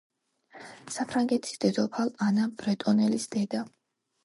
საფრანგეთის დედოფალ ანა ბრეტონელის დედა.